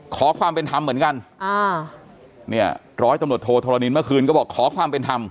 ขอความเป็นธรรมเหมือนกันอ่าเนี่ยร้อยตำรวจโทธรณินเมื่อคืนก็บอกขอความเป็นธรรม